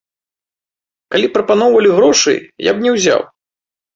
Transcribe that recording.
Калі б прапаноўвалі грошы я б не ўзяў.